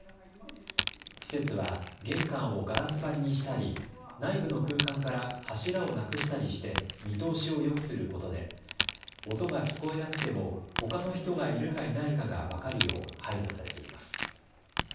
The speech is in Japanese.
施設は玄関をガラス張りにしたり、内部の空間から柱をなくしたりして見通しをよくすることで、音が聞こえなくても、ほかの人がいるかいないかが分かるよう配慮されています。